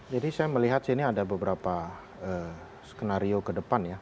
jadi saya melihat sini ada beberapa skenario ke depan ya